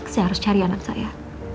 saya harus cari anak saya